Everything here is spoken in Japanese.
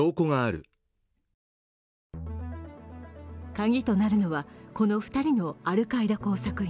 カギとなるのは、この２人のアルカイダ工作員。